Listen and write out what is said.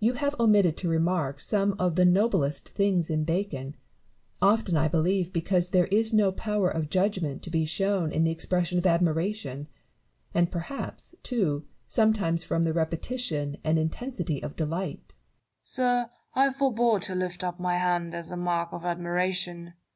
You have omitted to remark some of the noblest things in Bacon, often I believe because there is no power of judgment to be shown in the expression of admiration, and perhaps, too, sometimes from the repetition and intensity of delight, Newton. Sir, I forbore to lift up my hands as a mark of admiration.